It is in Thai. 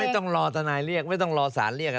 ต้องรอทนายเรียกไม่ต้องรอสารเรียก